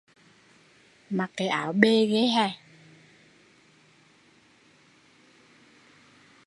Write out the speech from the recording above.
Mặc cái áo bề ghê